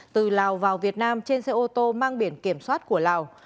từ lào vào việt nam trên xe ô tô mang biển kiểm soát của lào